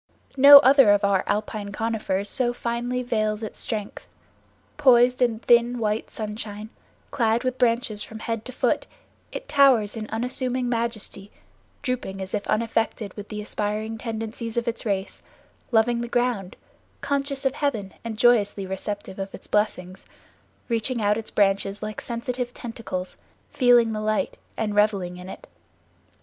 No other of our alpine conifers so finely veils its strength; poised in thin, white sunshine, clad with branches from head to foot, it towers in unassuming majesty, drooping as if unaffected with the aspiring tendencies of its race, loving the ground, conscious of heaven and joyously receptive of its blessings, reaching out its branches like sensitive tentacles, feeling the light and reveling in it.